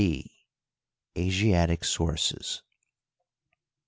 b, Asiatic Sources.